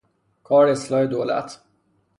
کار اصلاح دولت